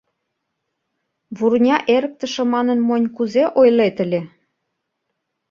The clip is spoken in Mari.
«Вурня эрыктыше» манын монь кузе ойлет ыле!